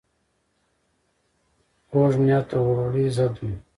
کوږه نیت د ورورولۍ ضد وي